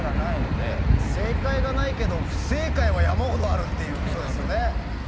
正解がないけど不正解は山ほどあるっていうことですよね。